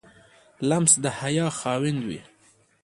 لمسی د حیا خاوند وي.